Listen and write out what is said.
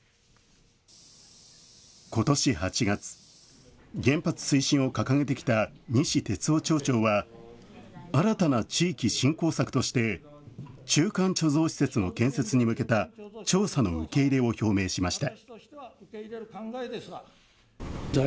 ことし８月、原発推進を掲げてきた西哲夫町長は、新たな地域振興策として、中間貯蔵施設の建設に向けた、調査の受け入れを表明しました。